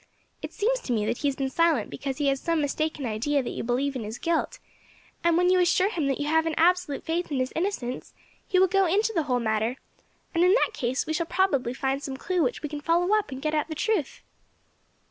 It seems to me that he has been silent because he has some mistaken idea that you believe in his guilt, and when you assure him that you have an absolute faith in his innocence, he will go into the whole matter, and in that case we shall probably find some clue which we can follow up and get at the truth."